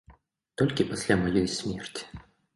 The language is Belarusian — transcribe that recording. Толькі пасля маёй смерці.